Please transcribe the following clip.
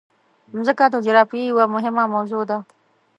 مځکه د جغرافیې یوه مهمه موضوع ده.